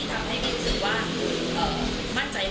คุณทำแน่ทีมที่โทรศัพท์ก็อยู่ที่ตลอด